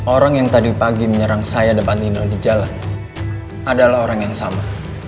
orang yang tadi pagi menyerang saya depan nino di jalan adalah orang yang sama